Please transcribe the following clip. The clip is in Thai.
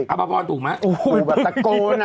อ้าวถูกไหม